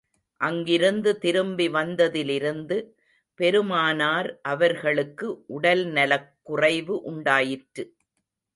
அங்கிருந்து திரும்பி வந்ததிலிருந்து, பெருமானார் அவர்களுக்கு உடல்நலக் குறைவு உண்டாயிற்று.